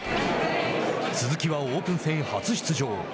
鈴木はオープン戦、初出場。